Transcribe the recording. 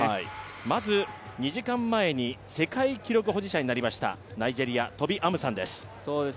まず２時間前に世界記録保持者になりました、ナイジェリア、トビ・アムサンです。